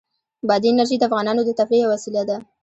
بادي انرژي د افغانانو د تفریح یوه وسیله ده.